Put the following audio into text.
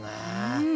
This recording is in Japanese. うん！